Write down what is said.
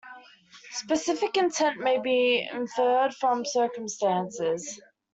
Specific intent may be inferred from circumstances.